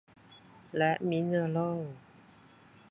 และมิเนอรัล